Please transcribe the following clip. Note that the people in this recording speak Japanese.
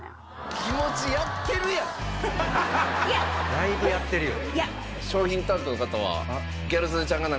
だいぶやってるよ。